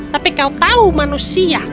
tapi kau tahu manusia